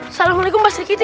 assalamualaikum pas trik itik